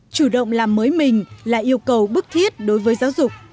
chủ động làm mới mình là yêu cầu bức thiết đối với giáo dục